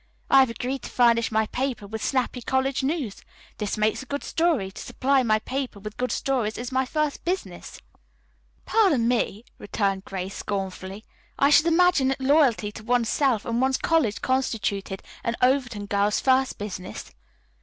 I have agreed to furnish my paper with snappy college news. This makes a good story. To supply my paper with good stories is my first business." "Pardon me," retorted Grace scornfully, "I should imagine that loyalty to one's self and one's college constituted an Overton girl's first business."